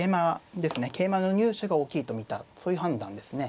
桂馬の入手が大きいと見たそういう判断ですね。